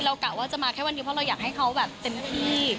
กะว่าจะมาแค่วันนี้เพราะเราอยากให้เขาแบบเต็มที่